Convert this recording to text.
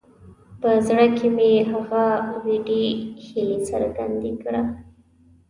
په زړه کې مې هغه وېډې هیلې څړیکه وکړه.